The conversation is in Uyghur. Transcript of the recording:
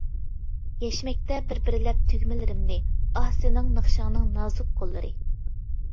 يەشمەكتە بىر-بىرلەپ تۈگمىلىرىمنى، ئاھ، سېنىڭ ناخشاڭنىڭ نازۇك قوللىرى.